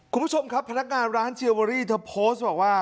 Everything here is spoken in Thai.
คุณผู้ชมครับพนักงานร้านเชียร์เวอรี่เธอโพสต์บอกว่า